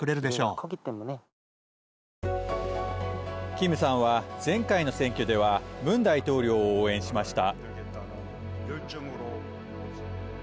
キムさんは前回の選挙ではムン大統領を応援しました。